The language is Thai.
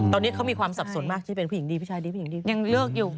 ตอนนี้เขามีความสับสนมากที่เป็นผู้หญิงดีผู้ชายดีผู้หญิงดียังเลิกอยู่